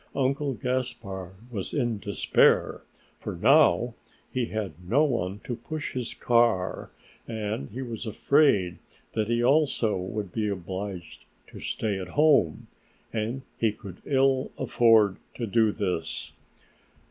Uncle Gaspard was in despair, for now he had no one to push his car and he was afraid that he also would be obliged to stay at home, and he could ill afford to do this.